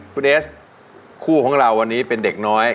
คุณเอสคู่ของเราวันนี้เป็นเด็กน้อย